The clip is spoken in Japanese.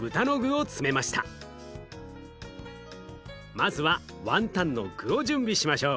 まずはワンタンの具を準備しましょう。